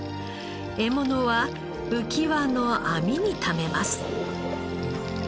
獲物は浮輪の網にためます。